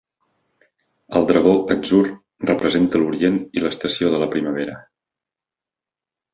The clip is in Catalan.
El Dragó Atzur representa l'Orient i l'estació de la primavera.